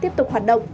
tiếp tục hoạt động